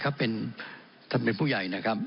ท่านเศรษฐีครับท่านเป็นผู้ใหญ่นะครับ